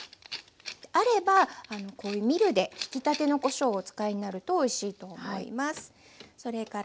あればこういうミルでひきたてのこしょうをお使いになるとおいしいと思います。